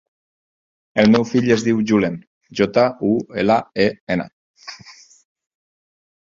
El meu fill es diu Julen: jota, u, ela, e, ena.